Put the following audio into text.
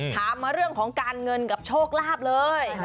ถามมาเรื่องของการเงินกับโชคลาภเลย